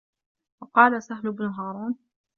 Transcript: وَقَالَ سَهْلُ بْنُ هَارُونَ